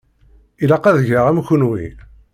Ilaq ad geɣ am kunwi.